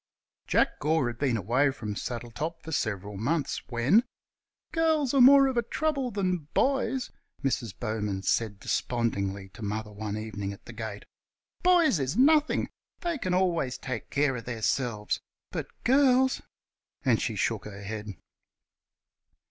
Jack Gore had been away from Saddletop for several months, when "Girls are more of a trouble than boys," Mrs. Bowman said despondingly to Mother one evening, at the gate. "Boys is nothing; they can always take care of theirselves. But girls " And she shook her head.